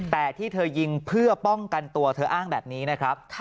แต่ที่เธอยิงเพื่อป้องกันตัวเธออ้างแบบนี้นะครับ